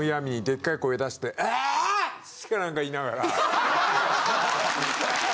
「エェー！」なんか言いながら。